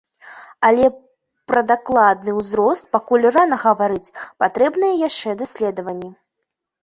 Але пра дакладны ўзрост пакуль рана гаварыць, патрэбныя яшчэ даследаванні.